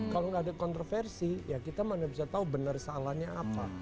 kalau nggak ada kontroversi ya kita mana bisa tahu benar salahnya apa